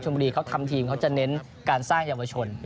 บุรีเขาทำทีมเขาจะเน้นการสร้างเยาวชน